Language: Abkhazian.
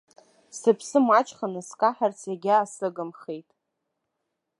Сыԥсы маҷханы скаҳарц егьаасыгымхеит.